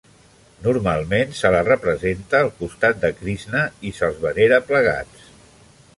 Normalment se la representa al costat de Krixna i se'ls venera plegats.